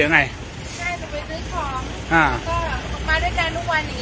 อ๋อต้องกลับมาก่อน